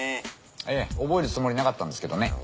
ええ覚えるつもりなかったんですけどね。